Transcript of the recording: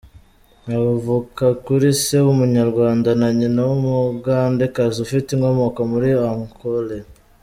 Avuka kuri se w’Umunyarwanda na nyina w’Umugandekazi ufite inkomoko muri Ankole.